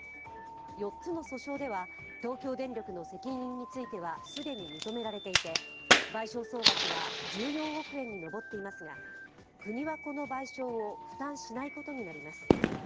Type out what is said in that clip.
４つの訴訟では東京電力の責任については既に認められていて賠償総額は１４億円に上っていますが、国は、この賠償を負担しないことになります。